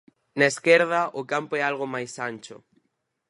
Na esquerda o campo é algo máis ancho.